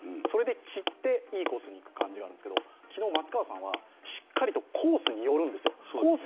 それで散って、いいコースにいく感じがするんですが昨日、松川さんはしっかりとコースに寄るんですよ。